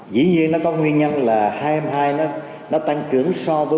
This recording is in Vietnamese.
dĩ nhiên nó có nguyên nhân là hai mươi hai nó tăng trưởng so với